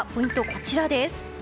こちらです。